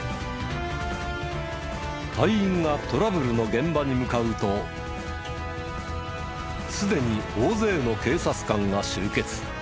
隊員がトラブルの現場に向かうとすでに大勢の警察官が集結。